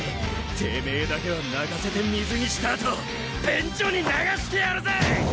てめぇだけは泣かせて水にした後便所に流してやるぜ！